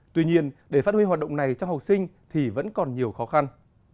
tuy nhiên để phát huy hoạt động này cho học sinh thì vẫn còn nhiều khó khăn